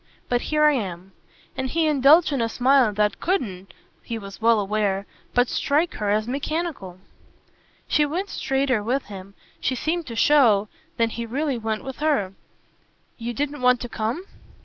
But here I am." And he indulged in a smile that couldn't, he was well aware, but strike her as mechanical. She went straighter with him, she seemed to show, than he really went with her. "You didn't want to come?"